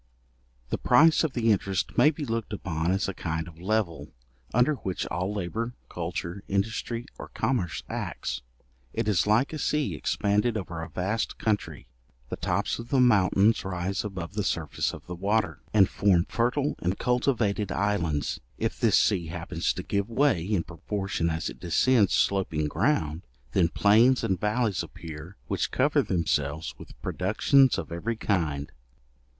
The price of the interest may be looked upon as a kind of level, under which all labour, culture, industry, or commerce, acts. It is like a sea expanded over a vast country; the tops of the mountains rise above the surface of the water, and form fertile and cultivated islands. If this sea happens to give way, in proportion as it descends, sloping ground, then plains and vallies appear, which cover themselves with productions of every kind.